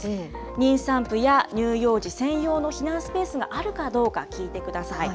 妊産婦や乳幼児専用の避難スペースがあるかどうか聞いてください。